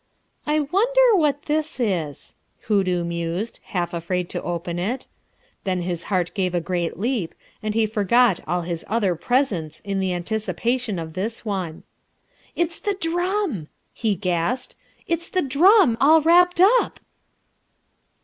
"I wonder what this is," Hoodoo mused, half afraid to open it. Then his heart gave a great leap, and he forgot all his other presents in the anticipation of this one. "It's the drum!" he gasped. "It's the drum, all wrapped up!"